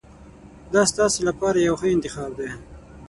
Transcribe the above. دا ستاسو لپاره یو ښه انتخاب دی.